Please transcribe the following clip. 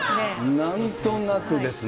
なんとなくですね。